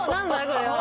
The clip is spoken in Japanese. これは。